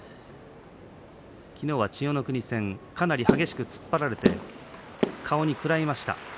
昨日は千代の国戦かなり激しく突っ張られて顔に食らいました。